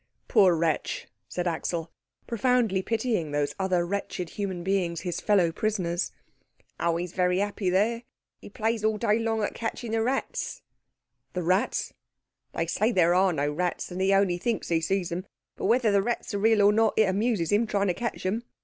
"Poor wretch," said Axel, profoundly pitying those other wretched human beings, his fellow prisoners. "Oh, he is very happy there. He plays all day long at catching the rats." "The rats?" "They say there are no rats that he only thinks he sees them. But whether the rats are real or not it amuses him trying to catch them.